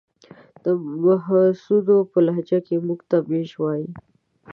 د محسودو په لهجه کې موږ ته ميژ وايې.